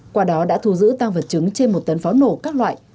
qua đó đã thu giữ tăng vật chứng trên một tấn pháo nổ các loại